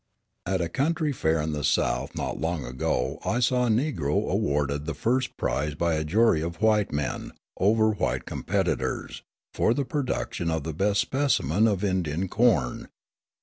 At a county fair in the South not long ago I saw a Negro awarded the first prize by a jury of white men, over white competitors, for the production of the best specimen of Indian corn.